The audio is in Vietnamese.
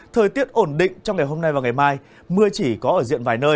thời tiết ổn định trong ngày hôm nay và ngày mai mưa chỉ có ở diện vài nơi